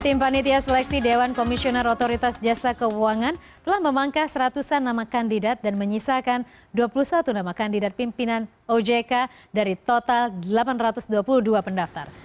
tim panitia seleksi dewan komisioner otoritas jasa keuangan telah memangkas ratusan nama kandidat dan menyisakan dua puluh satu nama kandidat pimpinan ojk dari total delapan ratus dua puluh dua pendaftar